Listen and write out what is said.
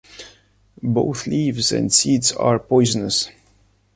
Both leaves and seeds are poisonous.